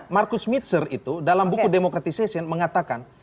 markus mietzer itu dalam buku demokratisasi mengatakan